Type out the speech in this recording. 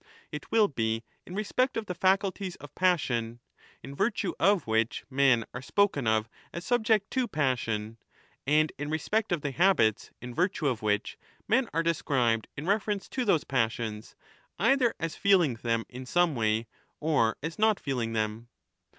^ It will be in respect of the faculties of passion, in virtue of which men are spoken of as subject to passion, and in respect of the habits, in virtue of which men are described, in reference to those passions, either as feeling them in some way or as not feeling them.